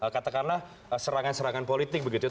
katakanlah serangan serangan politik begitu